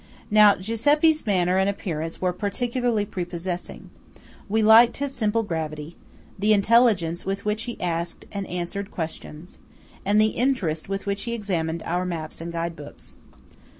Now Giuseppe's manner and appearance were particularly prepossessing. We liked his simple gravity, the intelligence with which he asked and answered questions, and the interest with which he examined our maps and guide books.